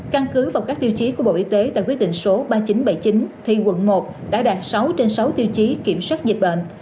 căn cứ vào các tiêu chí của bộ y tế tại quyết định số ba nghìn chín trăm bảy mươi chín thì quận một đã đạt sáu trên sáu tiêu chí kiểm soát dịch bệnh